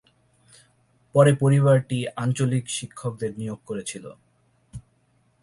পরে পরিবারটি আঞ্চলিক শিক্ষকদের নিয়োগ করেছিল।